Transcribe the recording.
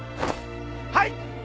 はい！